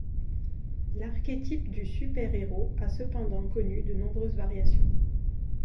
L'archétype du super-héros a cependant connu de nombreuses variations.